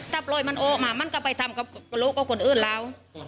ถ้าปล่อยมันออกมามันก็ไปทำกับปะลุกับคนอื่นเรา